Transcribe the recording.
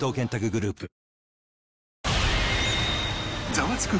ザワつく！